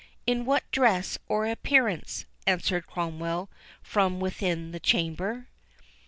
"In what dress or appearance?" answered Cromwell, from within the chamber.